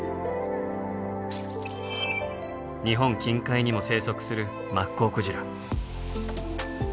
日本近海にも生息するマッコウクジラ。